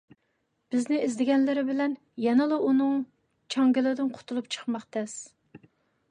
بىزنى ئىزدىگەنلىرى بىلەن يەنىلا ئۇنىڭ چاڭگىلىدىن قۇتۇلۇپ چىقماق تەس.